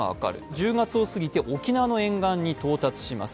１０月を過ぎて沖縄の沿岸に到達します。